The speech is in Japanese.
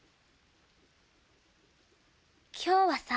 今日はさ